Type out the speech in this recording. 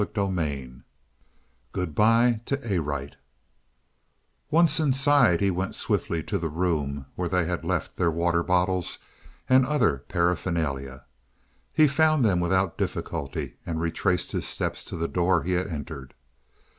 CHAPTER XXXV GOOD BY TO ARITE Once inside he went swiftly to the room where they had left their water bottles and other paraphernalia. He found them without difficulty, and retraced his steps to the door he had entered.